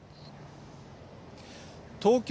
東京